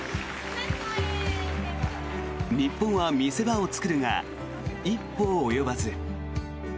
日本は見せ場を作るが一歩及ばず。